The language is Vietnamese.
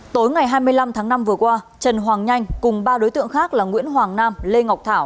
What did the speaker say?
tối ngày hai mươi năm tháng năm vừa qua trần hoàng nhanh cùng ba đối tượng khác là nguyễn hoàng nam lê ngọc thảo